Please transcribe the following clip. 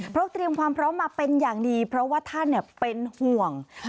พูดว่าโอ้โหใช้คำนี้เลยแทบจะร้องไห้พูดว่าโอ้โหใช้คำนี้เลยแทบจะร้องไห้